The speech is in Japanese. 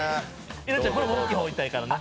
稲ちゃん、これも大きい方いったらええからね。